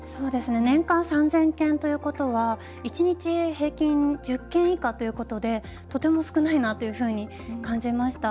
年間３０００件ということは１日平均１０件以下ということでとても少ないなというふうに感じました。